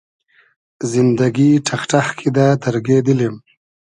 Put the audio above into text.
زیندئگی ݖئخ ݖئخ کیدۂ دئرگې دیلیم